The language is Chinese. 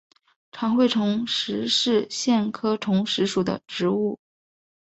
长穗虫实是苋科虫实属的植物。